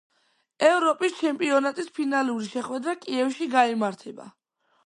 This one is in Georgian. ევროპის ჩემპიონატის ფინალური შეხვედრა კიევში გაიმართება.